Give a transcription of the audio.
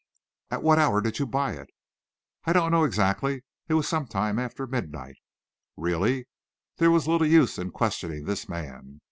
"At what hour did you buy it?" "I don't know exactly. It was some time after midnight." Really, there was little use in questioning this man.